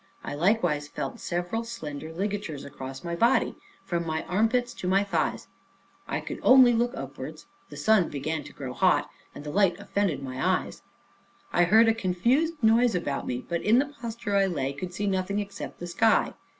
I likewise felt several slender ligatures across my body, from my arm pits to my thighs. I could only look upwards, the sun began to grow hot, and the light offended my eyes. I heard a confused noise about me, but, in the posture I lay, could see nothing except the sky.